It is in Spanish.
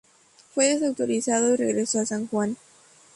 Fue desautorizado y regresó a San Juan.